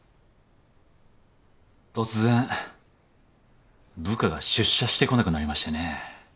突然部下が出社してこなくなりましてね。